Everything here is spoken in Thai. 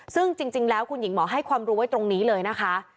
ซึ่งจริงแล้วคุณหญิงหมอให้ความรู้ไว้ตรงนี้เลยนะคะ